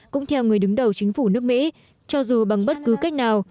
cũng theo người đứng đầu chính phủ nước mỹ cho dù bằng bất cứ cách nào